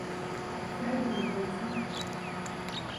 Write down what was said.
Where Do We Come From?